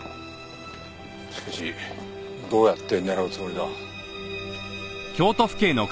しかしどうやって狙うつもりだ。